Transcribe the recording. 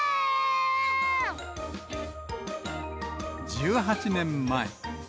１８年前。